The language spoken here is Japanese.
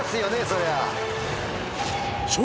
そりゃ。